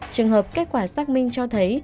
trường hợp kết quả xác minh cho thấy